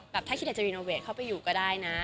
แบบถ้าคิดจะรีโนเวทเข้าไปอยู่ก็ได้นะ